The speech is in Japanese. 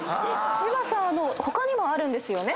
芝さん他にもあるんですよね？